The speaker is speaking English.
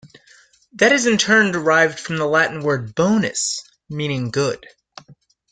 That is in turn derived from the Latin word "bonus" meaning good.